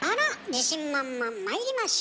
自信満々まいりましょう！